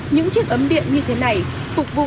những chiếc ấm điện như thế này sẽ không được sử dụng